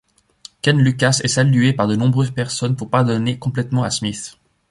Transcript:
Ken Lucas est salué par de nombreuses personnes pour pardonner complètement à Smith.